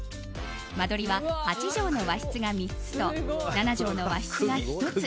間取りは８畳の和室が３つと７畳の和室が１つ。